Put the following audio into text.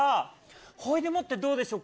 ほいでもってどうでしょう